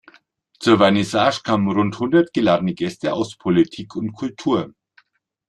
Zur Vernissage kamen rund hundert geladene Gäste aus Politik und Kultur.